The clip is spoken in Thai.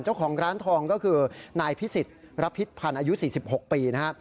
เจ้าของร้านทองก็คือนายพิษศรับพิษภัณฑ์อายุ๔๖ปีนะฮะ